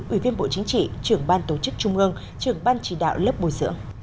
ủy viên bộ chính trị trưởng ban tổ chức trung ương trưởng ban chỉ đạo lớp bồi dưỡng